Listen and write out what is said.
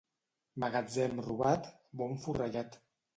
Magatzem robat, bon forrellat.